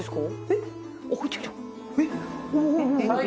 えっ？